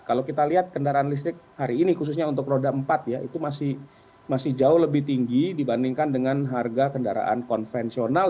kalau kita lihat kendaraan listrik hari ini khususnya untuk roda empat ya itu masih jauh lebih tinggi dibandingkan dengan harga kendaraan konvensional